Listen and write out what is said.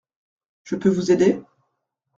Je peux vous aider ?